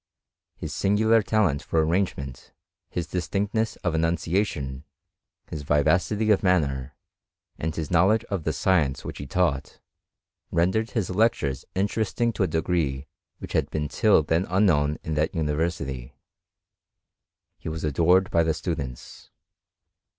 His singular talent for arrangement, his distinctness of enunciation, his \nvacity of manner, and his know ledge qf the science which he taught, rendered his lectures interesting to a degree which had been till then unknown in that university : he was adcnred by the students.